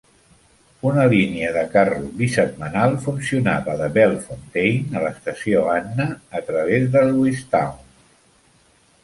Una línia de carro bisetmanal funcionava de Bellefontaine a l'estació Anna a través de Lewistown.